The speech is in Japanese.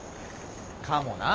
かもな。